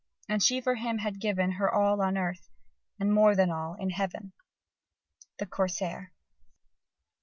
and she for him had given Her all on earth, and more than all in heaven! (_The Corsair.